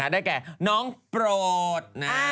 ได้แก่น้องโปรด